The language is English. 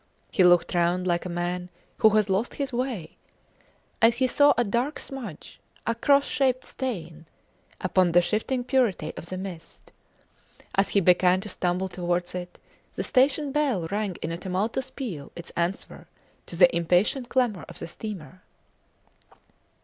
He looked round like a man who has lost his way; and he saw a dark smudge, a cross shaped stain, upon the shifting purity of the mist. As he began to stumble towards it, the station bell rang in a tumultuous peal its answer to the impatient clamour of the steamer.